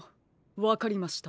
わかりました。